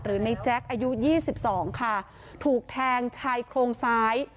ในแจ๊คอายุยี่สิบสองค่ะถูกแทงชายโครงซ้าย